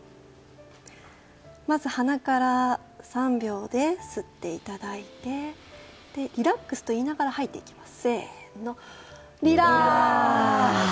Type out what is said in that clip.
まず鼻から３秒で吸っていただいてリラックスと言いながら吐いていきます。